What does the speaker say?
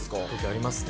ありますね。